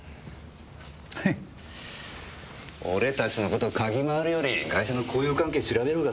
ヘッ俺たちの事嗅ぎ回るよりガイシャの交友関係調べるほうが先だろ！